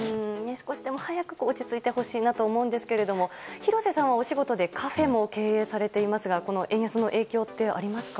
少しでも早く落ち着いてほしいと思いますが廣瀬さんはお仕事でカフェも経営されていますが円安の影響ってありますか？